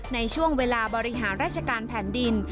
ในช่วงเวลาบริหารราชการแผ่นดิน